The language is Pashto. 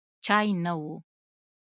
چای نه و.